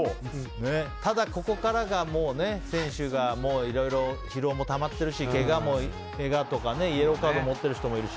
ただここからが選手がいろいろ疲労もたまっているしけがとか、イエローカードを持ってる人もいるし。